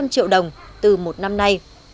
bốn trăm linh triệu đồng từ một năm nay